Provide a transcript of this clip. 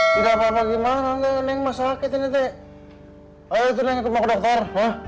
neng gak apa apa gimana neng masih sakit ini nete ayo tuh neng mau ke dokter